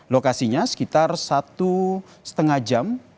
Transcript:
lokasinya sekitar satu lima jam